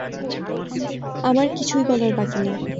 আমার কিছুই বলার বাকী নেই!